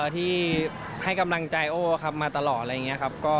ที่ให้กำลังใจโอ้ครับมาตลอดอะไรอย่างนี้ครับ